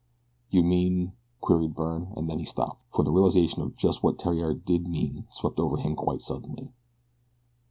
"You mean " queried Byrne, and then he stopped, for the realization of just what Theriere did mean swept over him quite suddenly.